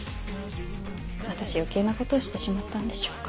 私余計なことをしてしまったんでしょうか。